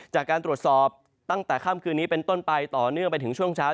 จากการตรวจสอบตั้งแต่ค่ำคืนนี้เป็นต้นไปต่อเนื่องไปถึงช่วงเช้า